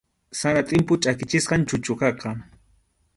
Sara tʼimpu chʼakichisqam chuchuqaqa.